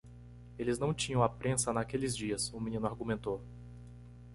"Eles não tinham a prensa naqueles dias?" o menino argumentou.